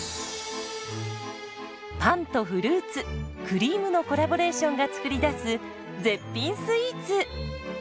パンとフルーツクリームのコラボレーションが作り出す絶品スイーツ。